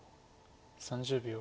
３０秒。